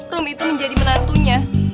rom itu menjadi menantunya